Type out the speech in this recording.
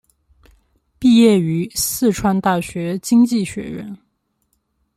毕业于四川大学经济学院。